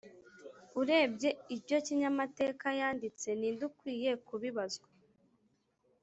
urebye ibyo kinyamatekayanditse, ninde ukwiye kubibazwa